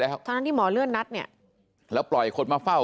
ทั้งนั้นที่หมอเลื่อนนัดเนี่ยแล้วปล่อยคนมาเฝ้า